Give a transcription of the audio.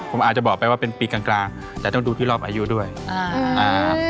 ผมอาจจะบอกไปว่าเป็นปีกลางกลางแต่ต้องดูที่รอบอายุด้วยอ่าอ่า